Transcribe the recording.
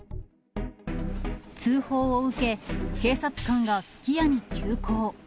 通報を受け、警察官がすき家に急行。